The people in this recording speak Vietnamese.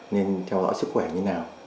nên theo dõi sức khỏe như thế nào